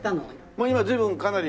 もう今随分かなり。